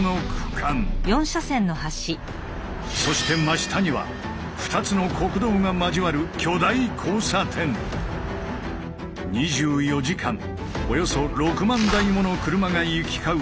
そして真下には２つの国道が交わる２４時間およそ６万台もの車が行き交う